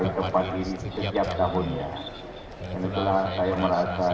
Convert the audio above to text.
dan itulah saya ingin menyampaikan selamat malam ke raya raya ibu adha